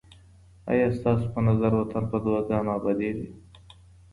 آیا ستاسو په نظر وطن په دعاګانو اباديږي؟